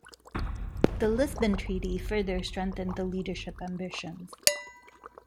The Lisbon Treaty further strengthened the leadership ambitions.